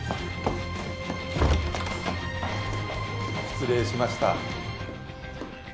失礼しました。